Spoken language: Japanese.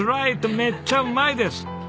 めっちゃうまいです！